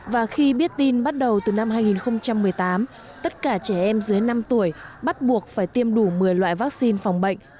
và khi biết tin bắt đầu từ năm hai nghìn một mươi tám tất cả trẻ em dưới năm tuổi bắt buộc phải tiêm đủ một mươi loại vaccine phòng bệnh